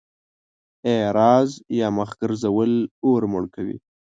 اعراض يا مخ ګرځول اور مړ کوي.